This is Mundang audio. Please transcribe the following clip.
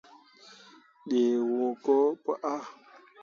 Ɗii wũũ ko pu aa.